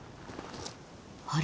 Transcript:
あれ？